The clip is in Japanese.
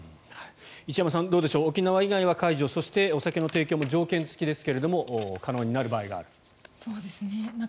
石山さん、どうでしょう沖縄以外は解除そして、お酒の提供も条件付きですが可能になる場合もある。